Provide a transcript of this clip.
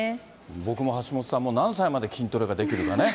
僕も橋下さんも何歳まで筋トレができるかね。